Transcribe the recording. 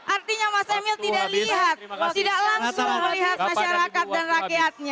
artinya mas emil tidak langsung melihat masyarakat dan rakyatnya